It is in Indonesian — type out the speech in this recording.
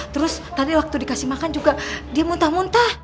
terus tadi waktu dikasih makan juga dia muntah muntah